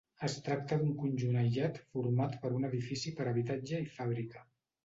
Es tracta d'un conjunt aïllat format per un edifici per habitatge i fàbrica.